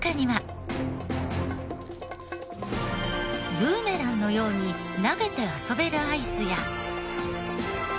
ブーメランのように投げて遊べるアイスや。